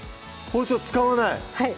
包丁使わない！